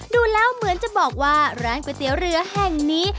ดูแล้วเหมือนจะบอกว่าร้านก๋วยเตี๋ยวเรือแห่งนี้